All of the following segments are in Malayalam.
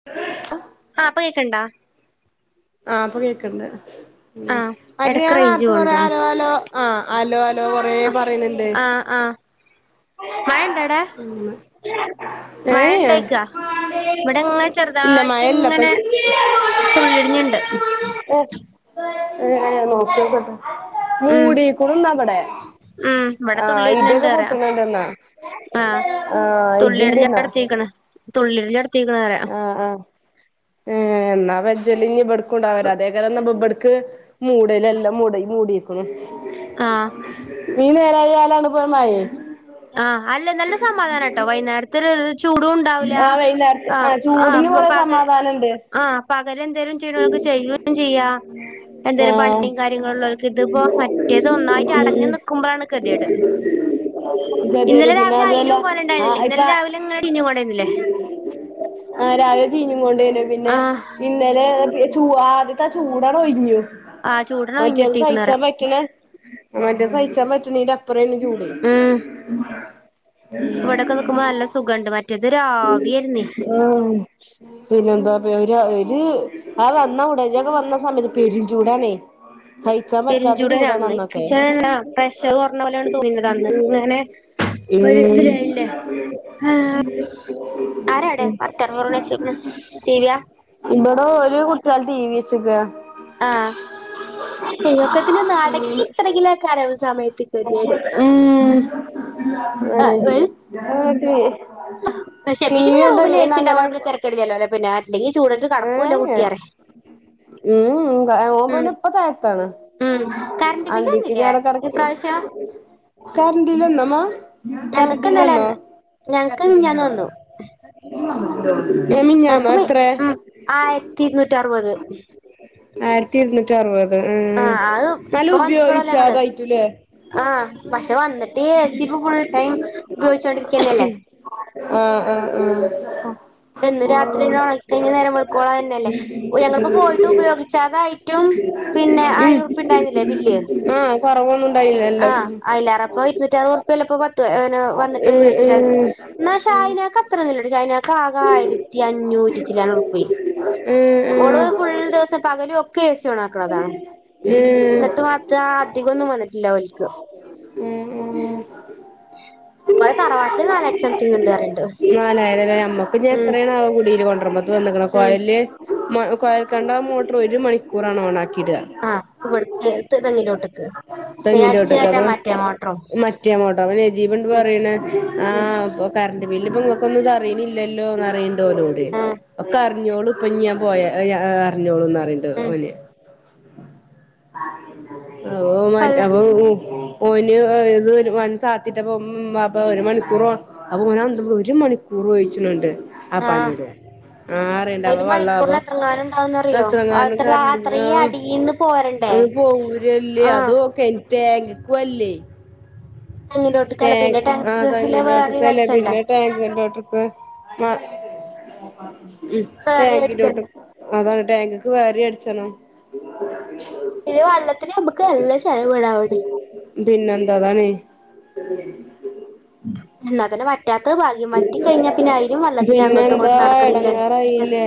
[inaudible] ആ ഇപ്പ കേക്ക്ണ്ടാ? ആഹ ഇപ്പ കേക്ണ്ട്. മ് ആ മറ്റേ എടക്ക് റേഞ്ച് ഞാനേർത്തെ കൊറേ- പോണ്ടോന്ന് ഹലോ, ഹലോ ആഹ്, അലോ- അലോ കൊറെ പറയാനുണ്ട്. ആഹ, മഴണ്ടവ്ടേ? ഏഹ് മഴണ്ടൊയ്ക്കാ, ഇവിടെങ്ങനെ ഇല്ല മഴല്ല ഇപ്പൊ ചെറുതായിട്ട്ങ്ങനെ ഏഹ് തുള്ളിടിന്ണ്ട്. ഹേ, ഹേ നോക്കിയക്കട്ടെ. [unintelligible] ഉം മൂടീക്കുണുന്നാവടെ ഉം ഇവിടെ ആഹ്- തുള്ളിയിടിഞ്ഞിണ്ട് ഇഡ്യൊക്കെ. പറയാ ണ്ടന്നാ ആ ആഹ് തുള്ളിയിടല് ഇതിണ്ട്ന്നാ. [unintelligible] ആ് ആ് ഏ.. ന്നാപ്പാ- ജല്ലിങ്കബെടുക്കുണ്ടാ- അതെക്കാരന്ന ഇബ്ട്ക്ക്- മൂടലല്ലാം മൂഡീക്ക്ണ്. ആ ഈ നേരായലാണ് പോമയെ. ആഹ, അല്ല നല്ല സമാധാനാട്ടോ വൈന്നേരത്- തലേലു ചൂട്ണ്ടാവുല ആ വൈകുന്നേരത്ത് ഹാ ആ ചൂടിന് ആപ്പ കൊറെ പകര സമാധാനണ്ട് ആഹ്- പകലെന്തേലും ചെയ്യണോൽക്ക് ചെയ്യും, ചെയ്യാ.. എന്തേലും ആഹ് പണിം കാര്യങ്ങളുള്ളോ. ഇതിപ്പോ മറ്റേത് ഒന്നായിട്ട്- ഉം അടഞ്ഞു ഉം നിക്കുമ്പഴാണ്- കെതേട്. ഗതികേട് ഇന്നലെ പിന്നെ രാവിലെ അതുവല്ല അയ്നും- ആ കൊലണ്ടായ്ന്നില്ലേ, ഇപ്പ ഇന്നലെ രാവിലെങ്ങനെടിഞ്കൊണ്ടെന്നിലെ. ആ രാവിലെ ചീഞ്കൊണ്ടേന്നു, പിന്നെ ആഹ് ഇന്നലെ ചൂവാ ആദ്യത്തെ ആ ചൂടണൊയ്ഞ്ഞു. ആഹ് ചൂടിന് മറ്റത് ഒഴിഞ്ഞിട്ടീക്കണ് പറയാ സയിക്കാൻ പറ്റൂലേ? മറ്റേ സയിച്ചാൻ പറ്റണന്റെപ്പറേന് ചൂട്. ഇവടക്കെ നിക്മ്പോ നല്ല സുഖണ്ട് മറ്റെ ആഹ് പിന്നെന്താപ്പ ഒര് ആ വന്നഉടഞ്ചെക്കെ വന്ന സമയത്ത് പെരുംചൂടാ ണെ പെരുംഞ്ചൂടാണന്ന് ഇക്ക് ചെലന്നെ പ്രഷറ് കൊറഞ്ഞ പോലെണ് തോന്നിയത് അന്ന്ങ്ങനെ ഒരു ഇതിയായില്ലേ ആഹ് ആരാവ്ടെ ഉം വർത്താനം പറയിണ ടിവിയാ ഇബടെ ഒരു കുട്ട്യാള് ടിവിയെച്ച് ക്ക ആഹ് ഹ ഒക്കത്തിനൊന്നടക്കി നിർത്തണങ്കിലേക്കാരും ഒര് സമയത്ത് കെത്യേഡ് അനആട്ട [unintelligible] [unintelligible] ക്ഷേ വീട്ടില് പിന്നെ റൂമിൽ എസി ണ്ടായൊണ്ട് തെരക്കേടില്ലല്ലോ പിന്നെ അല്ലെങ്കി ചൂടത്ത് ഏ കടക്കൂല്ല ഏ കുട്ടി പറയാ ഉം ഉം ഓൻപിന്നെപ്പോ താഴത്താണ് ഉം കറണ്ട് അന്തിക്ക് ഞ്ഞി ബില്ലേ അവടെ കടക്കേക്കും ഇപ്രാവശ്യം കറണ്ടില്ലെന്നോ മ്മ ഞങ്ങക്ക് ഇന്നലെ കരണ്ടില്ലന്നോ വന്ന് ഞങ്ങക്ക് കറന്റ് മിനിഞ്ഞാന്ന് ബില്ലോ വന്നു ഞാ മിഞ്ഞാന്നോ ഞങ്ങക്ക് മി എത്രേ ഉം ആയിരത്തി ഇര്നൂറ്റി അറുപത് ആയിരത്തി ഇരുന്നൂറ്റി അറുപത് ആഹ് ഉം അത് ന്നാലും ഇപ്പൊ വന്നിട്ടുള്ളൂ ഞങ്ങള് ഉപയോഗിച്ചതായിട്ടും ല്ലേ ആഹ് പക്ഷെ വന്നിട്ടി എ സി പ്പൊ ഫുൾടൈം ഉപയോഗിച്ചോണ്ടിരിക്കന്നല്ലേ ആഹ് ആഹ് ആഹ് പ്പെന്നും രാത്രിയെന്നെ ഒറങ്ങി കഴിഞ്ഞ നേരം വെളുക്കോളാം അതെന്നല്ലേ ഞങ്ങിപ്പോ പോയിട്ട് ഉപയോഗിച്ചാതായിട്ടും പിന്നെ ആയിരുര്പ്യാ ഉം ണ്ടായിന്നില്ലേ ബില്ല് ആഹ് കൊറവൊന്നും ഉണ്ടായില്ലല്ലോ ആഹ് ഉം അയിലാറപ്പോ ഇരുന്നൂറ്റിയറുപതുർപ്യല്ലേ പ്പൊ പത്ത് ന്ന് വന്നിട്ട ട്ട് ഉപയോഗിച്ചിട്ടാണ് ഉം ന്നാ ഷായിനക്ക് അത്രോന്നുല്ല വിജയ്നാക്ക് ആകെ ആയിരത്തി അഞ്ഞൂറ്റി ചില്ലാനുറുപ്യായി ഉം ഓള് ഉം ഫുൾ ദിവസം പകലും ഒക്കെ ഏ സി ഓണാക്ക്ണതാണ് ഉം ന്നട്ടും അത്ര അധികൊന്നും വന്നിട്ടില്ല ഓല്ക്ക് ഉം ഉം ഓലെ തറവാട്ടില് നാലായിരത്തി സംതിങ് ണ്ട് പറയിണ്ട് നാലായിരല്ലേ ഞമ്മക്ക് ഞ്ഞി എത്രയാണാവോ കുടിയില് കൊണ്ടരുമ്പോത്ത് വന്നക്കണെ ഉം കൊയല് കോയൽക്കണറ് മോട്ടറ് ഒര് മണിക്കൂറാണ് ഓണാക്കീടാ ആഹ് ഇവിടെക്ക്തെങ്ങിന്റൊട്ട്ക്ക് പിന്നടിച്ച് കയറ്റാൻ മാറ്റേ മോട്ടറ് റ്റിയ മോടട്ടാവും അപ്പൊ നജീബ് ണ്ട് പറയണ് ഉം ആഹ് പ്പൊ കറണ്ട് ബില്ല് പ്പൊ ഇങ്ങൾക്കൊന്നും ഇത് അറിയണില്ലല്ലോന്ന് പറയി ണ്ടോലോട് ഒക്കെ അറിഞ്ഞോളുപ്പൊന്നി ഞാൻ പോയ അറിഞ്ഞോളുന്ന് പറയിണ്ട് അതെ ഓന് [unintelligible] ഓന് ഇത് മനസാത്തിട്ടപ്പൊ അപ്പൊ ഒരു മണിക്കൂറൊ അപ്പൊ ഓനന്തം ഒരു മണിക്കൂറൊ ചോയ്ച്ചനിണ്ട് ആഹ് ആപ്പനോട് ആഹ് പറ ഒരു മണിക്കൂറിന് എത്രങ്ങാനും ണ്ടാവുന്നറിയോ എത്രങ്ങാനും അത്ര അത്രീം അടിൽന്ന് പോരണ്ടെ ഓൻ പോരല്ലേ അതോ കെൻറ്റാങ്കിക്കും അല്ലേയ് തെങ്ങിന്റോട്ട്ക്കല്ല പിന്നെ ടാങ്ക് ആഹ് ടാങ്കില് തെങ്ങിന്റോട്ട്ക്ക് വേറെയും അല്ലെ അടിച്ചണ്ടേ പിന്നെ ടാങ്കിന്റോട്ട്ക്കു ഉം മ വേറെയും ടാങ്കിന്റോട്ട് അടിച്ചണ്ടേ അതാണ് ടാങ്ക്ക്ക് വേറേം അടിച്ചണം ഉ [unintelligible] പിന്നെ വള്ളത്തിന് ഞമ്മക്ക് നല്ല ചെലവ് ണ്ടവിടെ പിന്നെന്താ അതാണേ [inaudible] ന്നാതന്നെ വ അങ്ങോട്ടും പിന്നെന്താ ഇങ്ങോട്ടും നടക്കണില്ലേ എടങ്ങേറായില്ലേ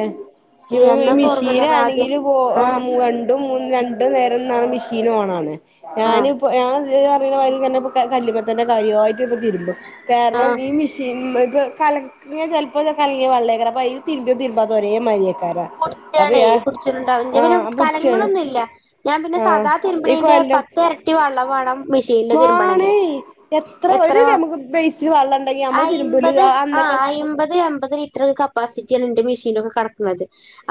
ഏയ് ഇപ്പം അന്നൊക്കെ ഓർമ്മല്ലേ നമ്മളാദ്യം മിഷീനാണെങ്കിലും പോ ആഹ് [unintelligible] രണ്ടും മൂ രണ്ട് നേരംന്നാണ് മെഷീൻ ഓണാണ്, ആഹ് ഞാന് [unintelligible] ഞാൻ അറിയണമാരി തന്നെ കല്ല്മെ തന്നെ കാര്യയിട്ട് ഇരുന്നു തിരുമ്മും, കാരണം ആഹ് ഈ മിഷി തിരുമ്മു ഇപ്പ കലങ്ങിയ ചെലപ്പൊ കലങ്ങിയ വെള്ളേക്കാരം അപ്പൊ അയില് തിരുമ്പിയേം തുരുമ്പാതേം ഒക്കെ ഒരേ മാരിയേക്കാര കുടിച്ചണേ കുടിച്ചിട്ടുണ്ടാവും ഇന്റെ പിന്നെ പുടിച്ചാണ് കലങ്ങണൊന്നുല്ല ഞാൻ പിന്നെ ആഹ് സദാ ഈ തിരുമ്പണേൻ്റെ കൊല്ലം പത്ത് തെരട്ടി വെള്ളം വാണം മെഷീനില് വാണേ തിരുമ്പണെങ്കില് എത്ര ഒരു വാ നമുക്ക് ബേസില് വെള്ളം ഉണ്ടെങ്കി നമ്മള് അയ് തിരുമ്പല് യ്മ്പത് ആഹ് അന്നൊക്കെ അയ്മ്പത് എമ്പത് ലിറ്റർ കപ്പാസിറ്റിയാണ് ന്റെ മിഷീനൊക്കെ കെടക്കണത്.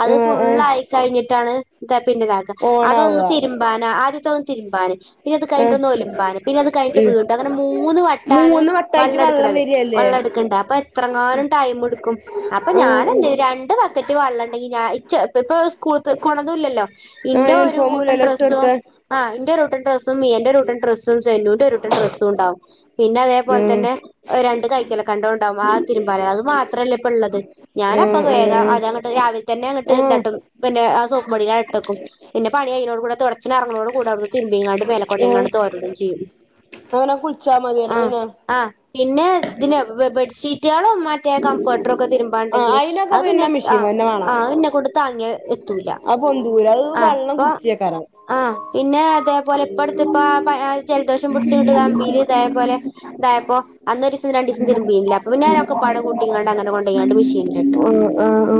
അത് ആഹ് ആഹ് ഫുള്ള് ആയി കഴിഞ്ഞിട്ടാണ് ന്താ പിന്നെ ഇതാക്ക അതൊന്ന് ഓണാവാ തിരുമ്പി മ്പാനാ ആദ്യത്തൊന്ന് തിരിമ്പാന് പിന്നെ അത് കഴിഞ്ഞിട്ട് ഒന്ന് ഒലുമ്പാനും പിന്നെ അത് കഴിഞ്ഞട്ട് വീണ്ടും അങ്ങനെ മൂന്ന് വെട്ടാണ് മൂന്ന് വട്ടായിട്ട് വള്ളം വെള്ളം എടുക്കണത്, വരികല്ലേ വള്ളം എടുക്കണ്ട പ്പൊ എത്രങ്ങാനും ടൈം എടുക്കും അപ്പൊ ആഹ് ആഹ് ഞാനെന്തെയ്യും രണ്ട് ബ ക്കറ്റ് വെള്ളണ്ടെങ്കി ഞ ഇച്ച് ഇപ്പ സ്കൂളിത്തേക്കോണതുല്ലല്ലോ, ആഹ് ഇന്റെ ഒരു കൂട്ടം യൂണിഫോമൂലല്ലോ ഇട്ട് ഡ്രസ്സും കൊടുത്തെ ആഹ് ഇന്റെ ഒരുട്ടം ഡ്രസ്സും മിയന്റെ ഒരുട്ടം ഡ്രസ്സും സെന്നുന്റെ ഒരുട്ടം ഡ്രസ്സും ണ്ടാവും പിന്നെ അതേപോലെ ആഹ് തന്നെ രണ്ട് കൈക്കലക്കണ്ടോണ്ടാവും, ആ തിരുമ്പാല്ലേ അത് മാത്രല്ലേ ഇപ്പ ള്ളത് ഞാനപ്പത് വേഗം ആഹ് അത് അങ്ങട്ട് രാവിലെ തന്നെ അങ്ങട്ട് ആഹ് ആഹ് എന്താട്ടും പിന്നെ ആ സോപ്പ് പൊടിലങ്ങട്ട് ഇട്ടക്കും പിന്നെ പണി കഴിഞ്ഞോട് കൂടെ തൊട്ച്ച്ണേ എറങ്ങടെ കൂടവിട്ന്ന് തിര്മ്പിങ്ങാണ്ട് മേലേക്കൊണ്ടിങ്ങാണ്ട് തോരേടാൻ ഇടേം ചെയ്യും. ന്നാ കുൾച്ചാ മതിയല്ലോ ആഹ് പിന്നെ ആഹ് പിന്നെ തിന് ബെ ബെഡ്ഷീറ്റളും മറ്റ് റ്റെ കംഫർട്ടറൊക്കെ ആഹ് തിര്മ്പാണ്ടെങ്കില് അയിനൊക്കെ അത് പിന്നെ മെഷീൻ ആഹ് തന്നെ വേണം ആഹ് അതെന്നെക്കൊണ്ട് താങ്ങിയാ എത്തൂല അത് പൊന്തൂല അത് ആഹ് വെള്ളം അപ്പൊ കുടിച്ചേക്കാരം ആഹ് പിന്നേ അതേപോലെ ഇപ്പട്ത്ത് ഇപ്പാ പ്പ ഏഹ് ജലദോഷം പുട്ച്ച്ങ്ങട്ട് അമ്പീല് ഇതേപോലെ ഇതായപ്പോ അന്ന് രിസം രണ്ടീസം തിരുമ്പീല്ല അപ്പ പിന്നേ ഒക്കപ്പാടെ കൂട്ടീങ്ങാണ്ട് അങ്ങനെ കൊണ്ടേങ്ങാണ്ട് മിഷീന്ലിട്ട് അഹ് ആഹ് ആഹ്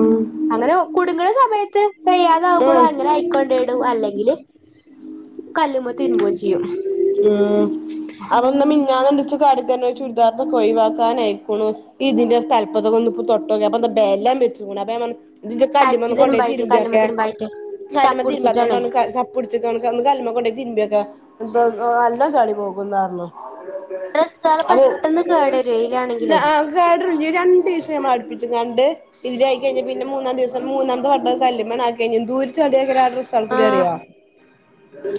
അങ്ങനൊ കുട്ങ്ങണ സമയത്ത് വയ്യാതാവുമ്പൊളും ആഹ് അങ്ങനെ അയിക്കൊണ്ടേടും അല്ലെങ്കില് കല്ലുമ്മ തിരുമ്പും ചെയ്യും ആഹ് അവൻന്ന് മിനിഞ്ഞാന്ന് വിളിച്ച് കടുക്കന് ചുരിദാർദൊക്കൊഴിവാക്കാനയ്ക്കുണു ഇതിന്റെ തൽപത്തൊക്കൊന്ന് പ്പൊ തൊട്ടോക്കി അപ്പന്ത ബെലം വച്ചേക്കണു അപ്പൊ ഞാ പർഞ്ഞ് ഇതിന്റെ തച്ച് കല്ലിമ്മേയൊന്ന് കൊണ്ടോയി തിരുമ്പായിട്ട് കല്ലുമ്മ തിര്മ്പിയോക്കെ തിരുമ്പായിട്ട് കല്ലിമ്മേ ചപ്പുടിച്ചിട്ടാണ് തിരുമ്പാത്തോണ്ടാണ് [unintelligible] പിട്ച്ച്ക്കാണ്ട് കാ ഒന്ന് കല്ല്മ്മേ കൊണ്ടോയി തിര്മ്പിയോക്കെ [unintelligible] എല്ലാ ചളി പോകുന്നറഞ്ഞു. ഡ്രസ്സാള് പെട്ടെന്ന് കേടരുവെ വെയിലാണെങ്കിലേ [unintelligible] [unintelligible] രണ്ടീസം ഞമ്മള് അടുപ്പിച്ചിങ്ങാണ്ട് ഇതിലായി കഴിഞ്ഞ പിന്നെ മൂന്നാം ദിവസം മൂന്നാമത്തെ വട്ടം കല്ല്മ്മേഞാക്കികഴിഞ്ഞ ന്തോര് ചളിയേകാരം [unintelligible] ആഹ് കുടയറിയോ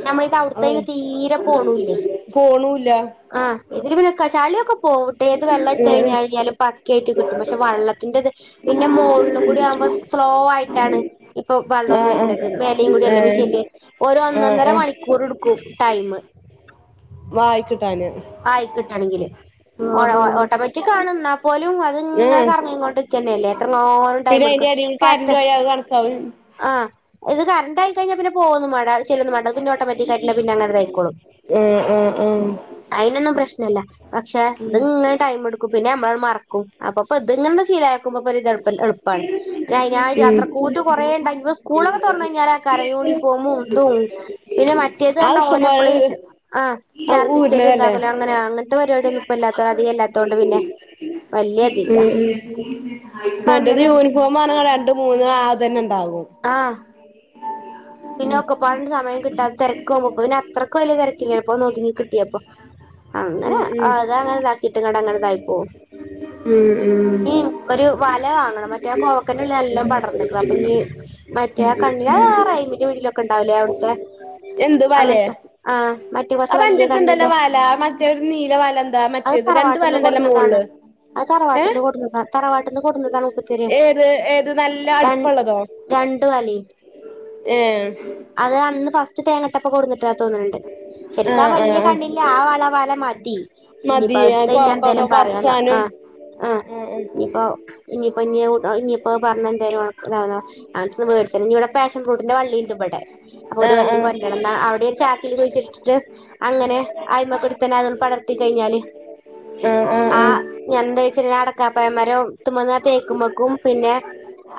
നമ്മള് ഇത് ആഹ് അവിടുത്തയിന് തീരെ പോണൂല്ലേ പോണും ഇല്ല. ആഹ് ഇതില് പിന്നെ ക്ക ചളിയൊക്കെ പോവ് ഏത് വെള്ളട്ടഴിഞ്ഞ് കഴികിയാലും പക്കയായിട്ട് കിട്ടും, പക്ഷെ വള്ളത്തിന്റെത് പിന്നെ മോളിലൂകൂടീയാവുമ്പോ സ് സ്ലോവായിട്ടാണ് ഇപ്പൊ വള്ളോം ആഹ് വര്ണത് ആഹ് മേലോം കൂടൊള്ള മിഷീനില് ഏഹ് ഓരോന്നൊ ആഹ് ന്നര ആഹ് മണിക്കൂറെടുക്കും ടൈമ് വായിക്കിട്ടാന് ആയിക്കിട്ടണെങ്കില് ഓട്ടോ ആഹ് ആഹ് ഓട്ടോമാറ്റിക് ആണ് ന്നാപോലും അത്ങ്ങനെ ആഹ് കറങ്ങിങ്ങ്കൊണ്ട്ക്കന്നല്ലേ എത്രങ്ങാനും ടൈം എടുക്കും? ഇനി കരണ്ട് പത്ത് പോയാ ഒരു മണിക്കാവും ആഹ് അത് കരണ്ടോയി കഴിഞ്ഞാ പിന്നെ പോകൊന്നും വാണ്ട അത് ചെല്ലൊന്നും മാണ്ട അത് പിന്നെ ഓട്ടോമാറ്റിക്കയിട്ടന്നെ പിന്നെ അങ്ങനെതായിക്കോളും ഉം ഉം ഉം അയിനൊന്നും പ്രശ്നല്ല പക്ഷെ ഇത്ങ്ങനെ ടൈം എടുക്കും പിന്നെ [unintelligible] മറക്കും അപ്പൊ പ്പ ഇത്ങ്ങനങ്ങട്ട് ശീലാ ക്കുമ്പോപ്പൊര് തൾപ്പ തൾപ്പാണ് [unintelligible] അത് അഴിനായിട്ട് അത്രക്കൂട്ടും കൊറേ ഇണ്ടങ്കി പ്പൊ സ്കൂളൊക്കെ തൊറന്നഴിഞ്ഞലാ ക്കാര യൂണിഫോമും ഇതും പിന്നെ മറ്റേതർഞ്ഞ ഇഷ്ടം പോലെ ഓനപ്പളേശ് ആഹ് അത് ഛർദിച്ച ഊരണതല്ലേ ലുംന്താക്കലോ അങ്ങനെ അങ്ങൻത്തെ പരിപാടിയൊന്നും ഇപ്പല്ലാത്ത അധികല്ലാത്തോണ്ട് പിന്നെ വല്യ ഇതില്ല ഉം ഉം മറ്റത് അങ്ങനെ യൂണിഫോമാ രണ്ട് മൂന്ന് ആതന്നെണ്ടാകും ആഹ് പിന്നെ ഒക്കപ്പാട്ണ്ട് സമയം കിട്ടാത്തെര്ക്ക് [unintelligible] അത്രക്ക് വലിയ തിരക്കില്ല [unintelligible] കിട്ടിയപ്പോ അങ്ങനെ ഉം ഉം അത് അങ്ങനതാക്കിട്ട്ക്കാണ്ട് അങ്ങനതായിപ്പോവും ഉം ഉം ഒരു വല വാങ്ങണം മറ്റേ കോവക്കന്റെല നല്ലം പടർന്ന്ക്ക്ണ് അപ്പഞ്ഞി മറ്റേ കണ്ണി അത് ആഹ് റയീമിന്റെ വ് വീട്ടിലൊക്കെണ്ടാവില്ലേ അവ്ട്ത്തെ എന്ത് വലേ അങ്ങനത്തെ മറ്റേ കുറച്ച് വലിയ അപ്പന്റട്ത്ണ്ടല്ലോ കണ്ണില്ലേ വല മറ്റേ നീല വലന്താ മറ്റ്‌ അത് റ്റേത് രണ്ട് തറവാട്ട്ന്ന് വലണ്ടല്ലോ കൊടുന്നതാണ് മോൾല് അത് തറവാട്ട്ന്ന് കൊട്ന്നതാ തറവാട്ട്ന്ന് കൊട്ന്നതാണ് മൂപ്പത്യര് ഏത് ഏത് നല്ല രൻ അടുപ്പുള്ളതോ രണ്ട് വലിം ഏഹ് അത് അന്ന് ഫസ്റ്റ് തേങ്ങട്ടപ്പൊ കൊട്ന്ന്ട്ടതാ തോന്ന്ണ് ണ്ട് ശര്ക്കാ ആഹ് ആഹ് വല്യ ആഹ് കണ്ണില്ല ആ വള വല മതി മതി ഞ്ഞ്പ്പാട്ത്തഴിഞ്ഞ കോവക്കൊക്കെ ന്തേലും പറയോന്ന പറിച്ചാനും ആഹ് ആഹ് ഞ്ഞ്പ്പോ ഇഞ്ഞ്പ്പോ ഇഞ്ഞ് ഇഞ്ഞിപ്പോ പർഞ്ഞ് എന്തേലും [unintelligible] ഇതാന്ന [unintelligible] വേടിച്ചതാണ് ഇനിയിവിടെ പാഷൻ ഫ്രൂട്ട് ന്റെ വള്ളിണ്ടിവിടെ അപ്പൊ ഒരു ആഹ് വള്ളി കൊണ്ടണന്ന അവിടെയൊരു ചാക്കില് കുഴിച്ചിട്ടിട്ട് അങ്ങനെ ആയിമക്കൂടി തന്നെ അത് പടർത്തി കഴിഞ്ഞാല് ആഹ് ഞ്ഞെന്താ വെച്ചാൽ കബായ മരോ ത്തുമന്നാ തേക്കുമക്കും പിന്നെ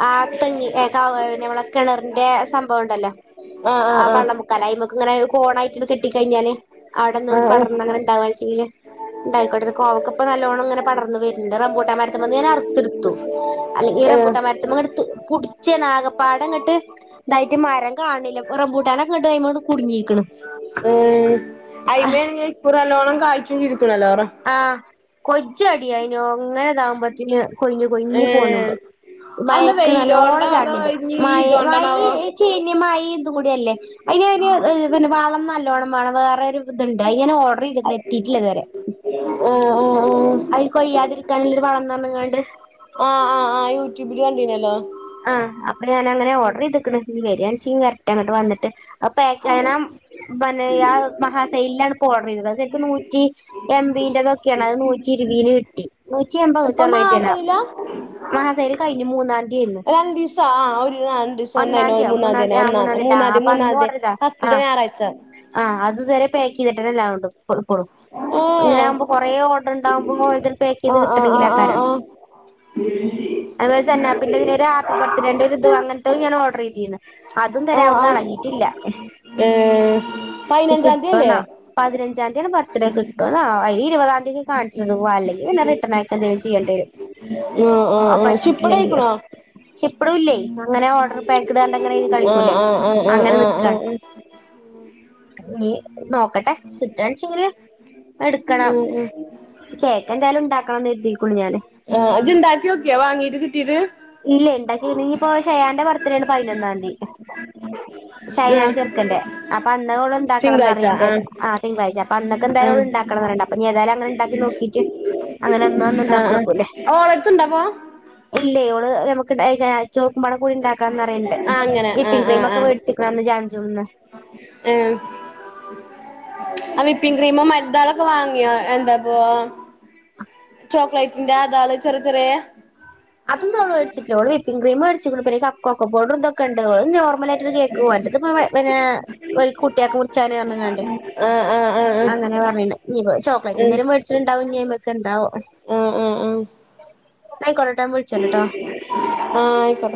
ആഹ് തെങ്ങി കവെ പിന്നെ നമ്മളെ കിണറിന്റെ സംഭവം ഉണ്ടല്ലോ ആഹ് വള്ളമുക്കാലെ അയ്മെക്കെ ഇങ്ങനെ ഒരു കോണായിട്ട് കെട്ടി കഴിഞ്ഞാല് അവിടെന്ന് ആഹ് പടർ എങ്ങനെ ഇണ്ടാവെച്ചിട്ടിണ്ടങ്ങേ ഉണ്ടായിക്കോട്ടെ ഒരു കോവക്കൊപ്പ നല്ലോണം ഇങ്ങനെ പടർന്ന് വരുന്നുണ്ട് റമ്പൂട്ടാമാരത്തിമ്മേന ഞാൻ അറുത്തെടുത്തു അല്ലെങ്കി ഈ ആഹ് റംബുട്ടാൻ മരത്തെമ്മിട് ഇങ്ങട് കുടിച്ചാണ് ആകപ്പാടെങ്ങട്ട് ഇങ്ങട്ട് അയ്മങ്ങട്ട് കുടുങ്ങിക്ക്ണ് ഉം അയ്മെ [unintelligible] നല്ലോണം കായ്‌ക്കും ചെയ്തേക്കുണല്ലോറം ആഹ് കൊച്ചടി ആയിനോ ങ്ങനെതാവുമ്പോത്തേന് കൊഴിഞ്ഞു കൊഴിഞ്ഞു ഏഹ് പോണുണ്ട് അതെന്താ മയക്ക് വെയിലോണ്ടാ നല്ലോണം അതോ ചാടനുണ്ട് ഇഞ്ഞി ഈ മയ മയ ഇതോണ്ടാണാവോ ച്ചേനി മഴയും ഇതുകൂടിയല്ലേ അതിനൊരു പിന്നെ വളം നല്ലോണം വേണം വേറെ ഒരു ഇതുണ്ട് അയ് ഞാൻ ഓർഡർ ചെയ്തിട്ടിണ്ട് എത്തീട്ടില്ല ഇതുവരെ അഹ് ഓഹ് ഓഹ് അയ് കൊയ്യാതിരിക്കാനുള്ളൊരു വളം [unintelligible] ങ്ങാണ്ട് ആഹ് ആഹ് ആഹ് യൂട്യൂബില് കണ്ടീനല്ലോ ആഹ് അപ്പൊ ഞാനങ്ങനെ ഓർഡർ ചെയ്തിക്കണ് വെരിയാണിച്ച വെരട്ടെ അങ്ങട്ട് വന്നിട്ട് അപ്പാക്ക് യ്യനം [unintelligible] യ്യാ മഹാസെയിലിലാണ് [unintelligible] ഓഡർ ചെയ്തത് അതൊക്കെ നൂറ്റി എംമ്പീന്റെതൊക്കെയാണ് അത് നൂറ്റി ഇരുപിന് കിട്ടി നൂറ്റി എമ്പത് നൂറ്റി ഇപ്പൊ അറുപയറ്റിന്നെ മാസയില മഹാസൈൽ കഴിഞ്ഞു മൂന്നാം തീയതിയാന്നു രണ്ട് ദിവസം ആഹ് ഒരു [unintelligible] ഡിസൈന്നയ്നോ മൂന്നാം തിയ്യതി തന്നെ തീയ ആ ഒന്നാം തീയതി ആ മൂന്നാം മൂന്നാം തിയ്യതി ഫസ്റ്റത്തെ ഞായറാഴ്ച്ച ആഹ് അത് ഇതുവരെ പാക്ക് ചെയ്തിട്ടിനില്ലാണ്ടു കൊടുക്കുള്ളു ഏഹ് അങ്ങനെയാകുമ്പോ കൊറേ ഓർ ണ്ടാകുമ്പോ പോയത് പാക്ക് ചെയ്ത് ആഹ് ആഹ് കിട്ടണെങ്കിൽ ആഹ് ആഹ് ആക്കാരം [inaudible] ഇതിനൊരു ഹാപ്പി ബർത്തെഡേന്റെ ഒരിതും അങ്ങനത്തും ഞാൻ ഓർഡർ ചെയ്തിന്ന് അതും തന്നെ അവിടുന്ന് എളകിയിട്ടില്ല ണ്ട് പതിനഞ്ചാം തിയ്യതി അല്ലേ പതിനഞ്ചാം തീയതിയാണ് ബർത്ത്ഡേ കിട്ടുവന്നാവ്വോ അയി ഇരുപതാം ഇതിനി കാണിച്ചാണ്ട് പോവ്വാ അല്ലെങ്കിൽ പിന്നെ റിട്ടേൺ അയെക്കെന്തെങ്കിലും ചെയ്യേണ്ടി വരും ആഹ് ആഹ് ആഹ് പറ്റിയിട്ടില്ലെങ്കിൽ ഷിപ്പടയിക്കണോ ഷിപ്പ്ഡും ഇല്ലേ അങ്ങനെ ഓർഡർ പാക്കഡ് പറഞ്ഞിട്ട് അങ്ങനെ എഴുതി ആഹ് കാണിക്കൂലേ ആഹ് ആഹ് ആഹ് അങ്ങനെ ആഹ് ആഹ് നിക്കാണ് ആഹ് ഇനി നോക്കട്ടെ കിട്ടാണെച്ചിങ്കില് എടുക്കണം ഉം ഉം കേക്കെന്തായാലും ഉണ്ടാക്കണന്ന് കരുതിയിരിക്കുണു ഞാന് ആഹ് ഇജ് ഇണ്ടാക്കി നോക്കിയോ വാങ്ങീട്ട് കിട്ടീട്ട് ഇല്ലേ ഇണ്ടാക്കി ഇനി ഇപ്പോ ഷയാന്റെ ബർത്ത്ഡേയാണ് പതിനൊന്നാം തീയതി ഷയാന്റെ ആഹ് ചെർക്കന്റെ അപ്പൊ അന്ന് ഓള് ഇണ്ടാക്കണന്ന് പറയിണ്ടേരുന്നു ആഹ് തിങ്കളാഴ്ച്ച അപ്പോ അന്നൊക്കെ എന്തായാലും ആഹ് ഓള് ഉണ്ടാക്കണന്ന് പറയുന്നുണ്ട് അപ്പോ ഏതായാലും അങ്ങനുണ്ടാക്കി നോക്കിട്ട് അങ്ങനെ അന്ന് അന്ന് ആഹ് ഉണ്ടാക്കിവെക്കൂലേ ആഹ് ഓളെടുത്തുണ്ടാപ്പോ ഇല്ലേ ഓള് നമുക്ക് ഇണ്ടാക്കി ചോക്കുപാട കൂടി ഉണ്ടാക്കണന്ന് പറയിണ്ട് ആഹ് അങ്ങനെ വിപ്പിംഗ് ക്രീമൊക്കെ മേടിച്ചി അന്ന് ജാം ജും ന്ന് മ് ആഹ് വിപ്പിങ് ക്രീമും മറ്റതാളൊക്കെ വാങ്ങിയോ എന്താപ്പോ ചോക്ലേറ്റിന്റെ അതാള് ചെറി ചെറിയ അതൊന്നും അവള് വേടിച്ചിട്ടില്ല ഓള് വിപ്പിങ് ക്രീം വേടിച്ചിക്കണു പിന്നെ കപ് കൊക്കോ പൗഡർ ഇതൊ ക്കണ്ടും ഓള് നോർമലായിട്ടെന്നെ കേക്ക് ഓന്റതിപ്പോ പിന്നെ ഓല് കുട്ടികൾക്ക് മുറിച്ചാന് പറഞ്ഞുങ്ങാണ്ടേ ആഹ് ആഹ് ആഹ് ആഹ് അങ്ങനെ പറയ്ണ് ഇനിപ്പോ ചോക്ലേറ്റ് ഉം എന്തേലും വേ ച്ചിണ്ടാവും ഞ്ഞി അയ്മെക്ക് എന്താവോ ആഹ് ആഹ് ആഹ് ആയിക്കോളട്ടെ ഞാൻ വിളിച്ചോണ്ടുട്ടോ ആഹ് ആയി പറ